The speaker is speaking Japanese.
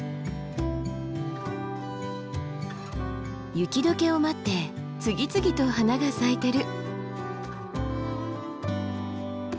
雪解けを待って次々と花が咲いてる。